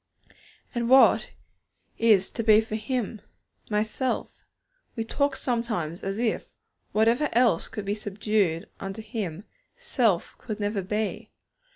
And what is to be for Him? My self. We talk sometimes as if, whatever else could be subdued unto Him, self could never be.